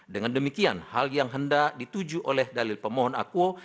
dengan demikian hal yang hendak dituju oleh dalil pemohon akuo